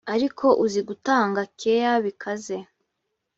Ariko uzi gutanga keya bikaze